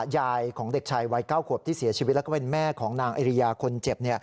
ยายของเด็กชายวัย๙ขวบที่เสียชีวิตแล้วก็เป็นแม่ของนางอริยาคนเจ็บ